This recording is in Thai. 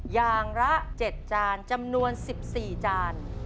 อย่างละ๗จานจำนวน๑๔จาน